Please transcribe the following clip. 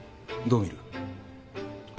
どう見る？